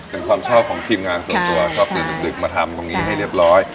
เป็นความชอบของทีมงานส่วนตัวชอบตื่นดึกมาทำตรงนี้ให้เรียบร้อย